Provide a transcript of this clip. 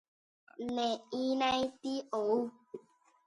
Ne'írãiti ou